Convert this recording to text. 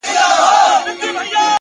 صادق چلند د اړیکو عمر اوږدوي.!